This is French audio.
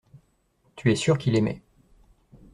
Tu es sûr qu’il aimait.